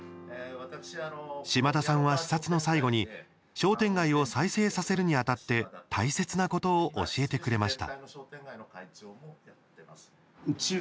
島田さんは視察の最後に商店街を再生させるにあたって大切なことを教えてくれました。